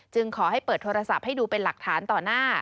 ขอให้เปิดโทรศัพท์ให้ดูเป็นหลักฐานต่อหน้า